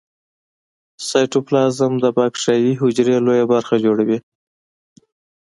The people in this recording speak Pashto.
سایتوپلازم د باکتریايي حجرې لویه برخه جوړوي.